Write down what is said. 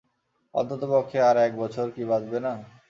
অন্ততপক্ষে আর একবছর কী বাঁচবে না?